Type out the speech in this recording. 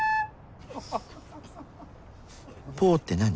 「ポ」って何？